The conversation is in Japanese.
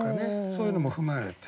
そういうのも踏まえて。